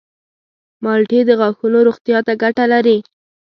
مالټې د غاښونو روغتیا ته ګټه لري.